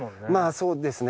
そうですね